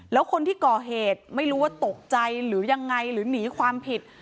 แล้วคนที่ก่อเหตุไม่รู้ว่าตกใจหรือยังไงหรือหนีความผิด